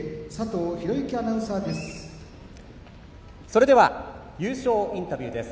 それでは優勝インタビューです。